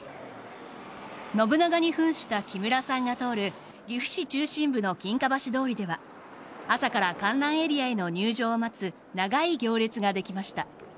信長にふんした木村さんが通る岐阜市中心部の金華橋通りでは朝から観覧エリアへの入場を待つ長い行列ができました。